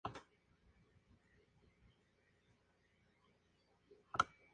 Los favoritos de John McDonald eran Steve McQueen o Vic Morrow.